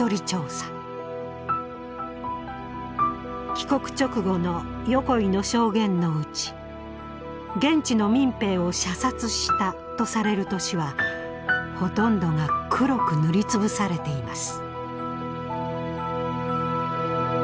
帰国直後の横井の証言のうち「現地の民兵を射殺した」とされる年はほとんどが黒く塗り潰されています。